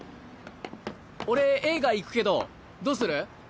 俺映画行くけどどうする？